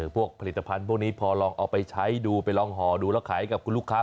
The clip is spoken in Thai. ผลิตภัณฑ์พวกนี้พอลองเอาไปใช้ดูไปลองห่อดูแล้วขายกับคุณลูกค้า